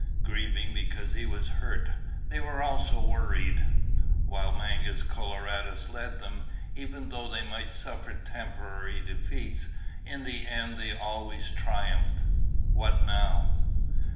Grieving because he was hurt, they were also worried. While Mangus Coloradus led them, even though they might suffer temporary defeats, in the end they always triumphed. What now?